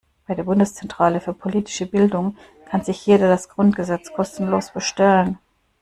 Bei der Bundeszentrale für politische Bildung kann sich jeder das Grundgesetz kostenlos bestellen.